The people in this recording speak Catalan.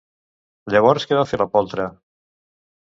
Llavors què va fer la poltra?